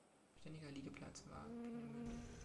Ständiger Liegeplatz war Peenemünde.